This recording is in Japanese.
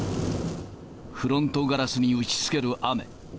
フロントガラスに打ちつける雨。